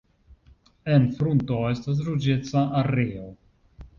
En frunto estas ruĝeca areo.